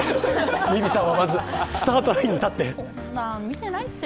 日比さんはまず、スタートラインに立って。